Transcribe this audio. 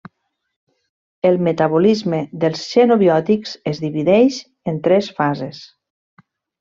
El metabolisme dels xenobiòtics es divideix en tres fases.